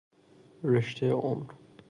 رشته عمر